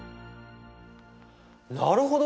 なるほど。